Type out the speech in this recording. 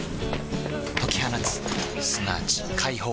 解き放つすなわち解放